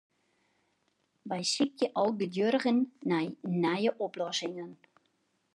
Wy sykje algeduerigen nei nije oplossingen.